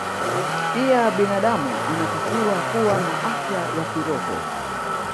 Pia binadamu anatakiwa kuwa na afya ya kiroho